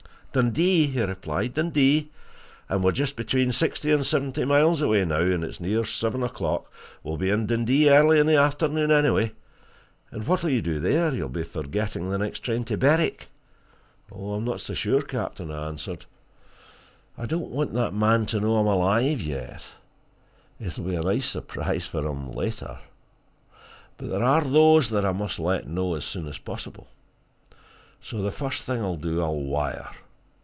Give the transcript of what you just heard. "Dundee," he replied. "Dundee and we're just between sixty and seventy miles away now, and it's near seven o'clock. We'll be in Dundee early in the afternoon, anyway. And what'll you do there? You'll be for getting the next train to Berwick?" "I'm not so sure, captain," I answered. "I don't want that man to know I'm alive yet. It'll be a nice surprise for him later. But there are those that I must let know as soon as possible so the first thing I'll do, I'll wire.